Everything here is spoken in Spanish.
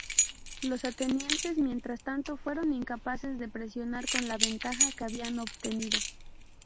Los atenienses, mientras tanto, fueron incapaces de presionar con la ventaja que habían obtenido.